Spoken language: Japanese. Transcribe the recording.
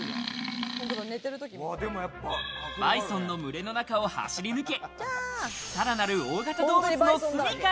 バイソンの群れの中を走り抜け、さらなる大型動物のすみかへ。